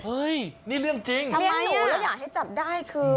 เฮ้ยนี่เรื่องจริงทำไมดูแล้วอยากให้จับได้คือ